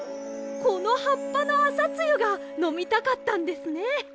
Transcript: このはっぱのあさつゆがのみたかったんですね！